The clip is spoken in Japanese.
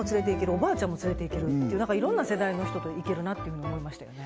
おばあちゃんも連れて行けるっていういろんな世代の人と行けるなっていうふうに思いましたよね